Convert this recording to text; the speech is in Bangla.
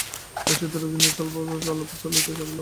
তাঁহার সহিত রোগিণীর অল্পস্বল্প আলাপ চলিতে লাগিল।